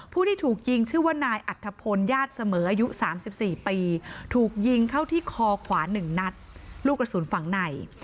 ผู้ที่ถูกยิงชื่อว่านายอัธพลญาติเสมออายุ๓๔ปีถูกยิงเข้าที่คอขวา๑นัดลูกกระสุนฝั่งใน